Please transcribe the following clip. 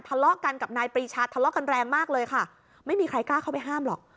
ทะเลาะกันกับนายปรีชาทะเลาะกันแรงมากเลยค่ะไม่มีใครกล้าเข้าไปห้ามหรอก